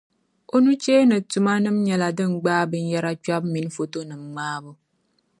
O nu'cheeni tumanima nyɛla din gbaai bin' yɛra kpebu mini fotonima ŋmahibu.